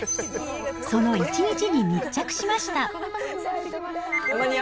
その一日に密着しました。